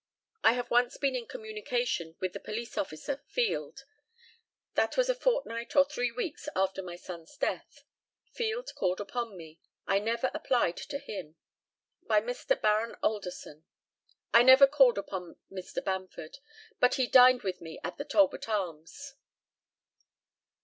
I have once been in communication with the policeofficer Field. That was a fortnight or three weeks after my son's death. Field called upon me. I never applied to him. By Mr. Baron ALDERSON: I never called upon Mr. Bamford, but he dined with me at the Talbot Arms.